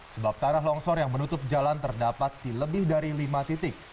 sebab tanah longsor yang menutup jalan terdapat di lebih dari lima titik